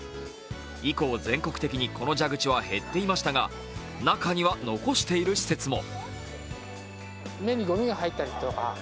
以降、全国的にこの蛇口は減っていましたが中には残している施設も。